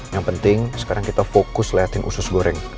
yang penting sekarang kita fokus liatin usus goreng